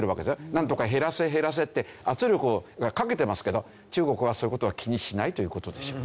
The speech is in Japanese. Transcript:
なんとか減らせ減らせって圧力をかけてますけど中国はそういう事は気にしないという事でしょう。